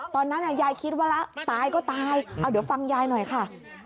ตอนนั้นยายคิดว่าแล้วตายก็ตายเอาเดี๋ยวฟังยายหน่อยค่ะ